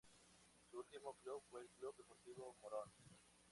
Su Último club fue Club Deportivo Morón.